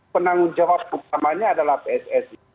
penanggung jawab utamanya adalah pssi